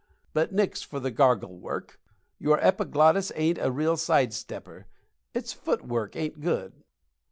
But nix for the gargle work. Your epiglottis ain't a real side stepper its footwork ain't good."